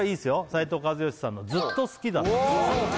斉藤和義さんの「ずっと好きだった」